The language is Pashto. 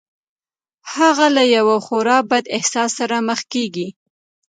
هغه له یوه خورا بد احساس سره مخ کېږي